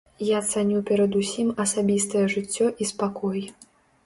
Я цаню перадусім асабістае жыццё і спакой.